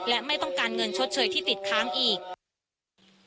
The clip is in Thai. และไม่ต้องการเงินชดเชยที่ติดค้างอีก